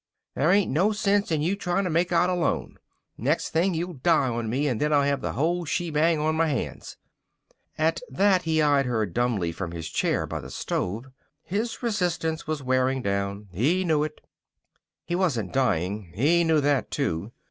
"There ain't no sense in you trying to make out alone. Next thing you'll die on me, and then I'll have the whole shebang on my hands." At that he eyed her dumbly from his chair by the stove. His resistance was wearing down. He knew it. He wasn't dying. He knew that, too.